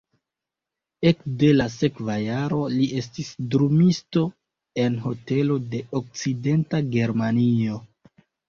Ekde la sekva jaro li estis drumisto en hotelo de Okcidenta Germanio.